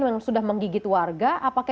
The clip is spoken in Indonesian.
yang sudah menggigit warga apakah